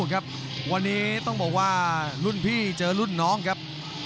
ครับวันนี้ต้องบอกว่ารุ่นพี่เจอรุ่นน้องครับ